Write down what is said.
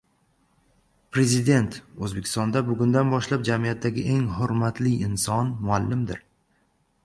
Prezident: "O‘zbekistonda bugundan boshlab jamiyatdagi eng hurmatli inson muallimdir"